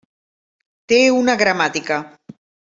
Té una gramàtica.